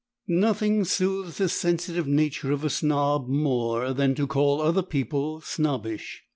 Nothing soothes the sensitive nature of a snob more than to call other people snobbish.